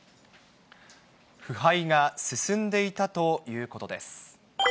腐敗が進んでいたということです。